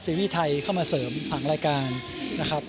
รีส์ไทยเข้ามาเสริมผังรายการนะครับ